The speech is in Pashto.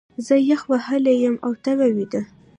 زه يخ وهلی يم، او تبه مې ده